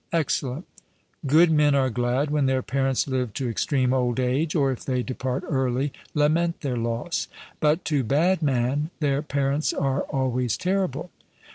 'Excellent.' Good men are glad when their parents live to extreme old age, or if they depart early, lament their loss; but to bad man their parents are always terrible.